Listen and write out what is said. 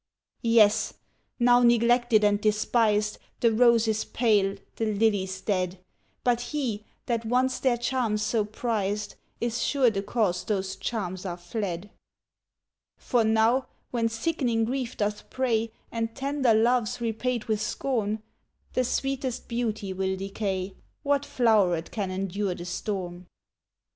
"Yes! now neglected and despised, The rose is pale, the lily's dead; But he, that once their charms so prized, Is sure the cause those charms are fled. "For know, when sick'ning grief doth prey, And tender love's repaid with scorn, The sweetest beauty will decay, What floweret can endure the storm?